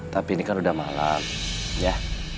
tapi ini kan udah malam ya